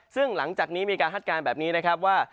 ซึ่งหลังจากนี้มีการคาดการณ์แบบนี้นะครับว่า